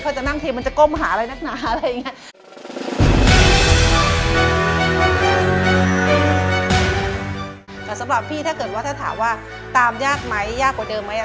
แต่สำหรับพี่ถ้าเกิดว่าถ้าถามว่าตามยากไหมยากกว่าเดิมไหม